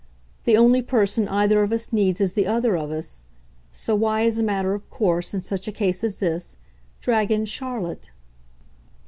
The only person either of us needs is the other of us; so why, as a matter of course, in such a case as this, drag in Charlotte?"